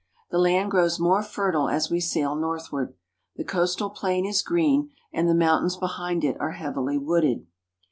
The land grows more fertile as we sail northward. The coastal plain is green, and the mountains behind it are heavily wooded.